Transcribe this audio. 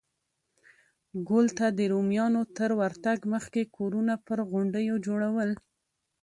ګول ته د رومیانو تر ورتګ مخکې کورونه پر غونډیو جوړول